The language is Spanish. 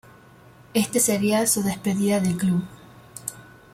Este sería su despedida del club.